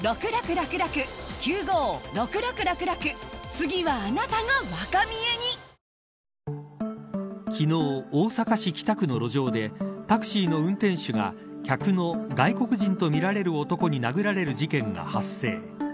昨日、大阪市北区の路上でタクシーの運転手が昨日、大阪市北区の路上でタクシーの運転手が客の外国人とみられる男に殴られる事件が発生。